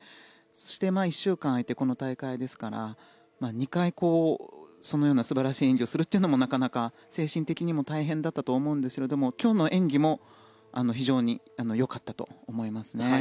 そして１週間空いてこの大会ですから２回、そのような素晴らしい演技をするというのもなかなか精神的にも大変だったと思うんですが今日の演技も非常によかったと思いますね。